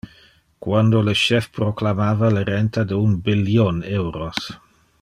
Quando le chef proclamava le renta de un billion euros.